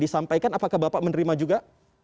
disampaikan apakah bapak menerima juga